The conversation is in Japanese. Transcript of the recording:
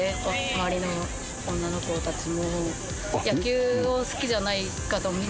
周りの女の子たちも。